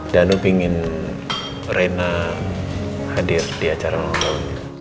danu pingin rena hadir di acara ulang tahun